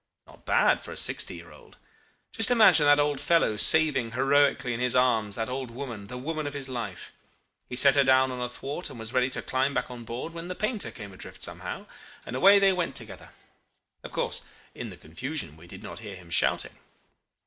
Not bad for a sixty year old. Just imagine that old fellow saving heroically in his arms that old woman the woman of his life. He set her down on a thwart, and was ready to climb back on board when the painter came adrift somehow, and away they went together. Of course in the confusion we did not hear him shouting.